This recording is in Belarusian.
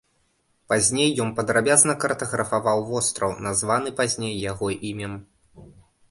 Пазней ён падрабязна картаграфаваў востраў, названы пазней яго імем.